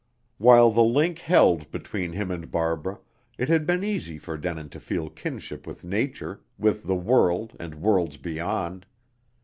While the link held between him and Barbara, it had been easy for Denin to feel kinship with nature, with the world and worlds beyond.